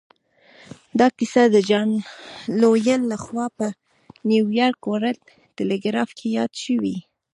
دا کیسه د جان لویل لهخوا په نیویارک ورلډ ټیليګراف کې یاده شوې